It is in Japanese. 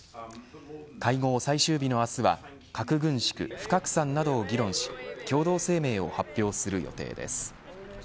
会合最終日の明日は核軍縮、不拡散などを議論し共同声明を発表する予定です。